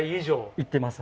いってます。